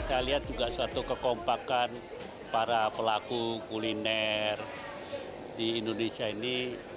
saya lihat juga suatu kekompakan para pelaku kuliner di indonesia ini